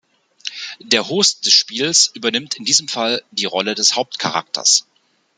Der Host des Spiels übernimmt in diesem Fall die Rolle des Hauptcharakters.